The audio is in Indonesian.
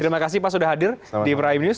terima kasih pak sudah hadir di prime news